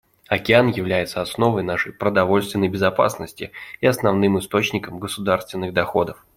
Океан является основой нашей продовольственной безопасности и основным источником государственных доходов.